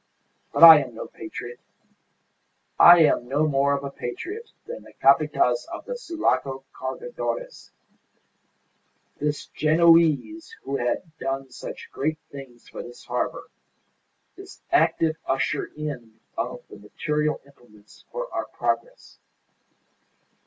But I am no patriot. I am no more of a patriot than the Capataz of the Sulaco Cargadores, this Genoese who has done such great things for this harbour this active usher in of the material implements for our progress.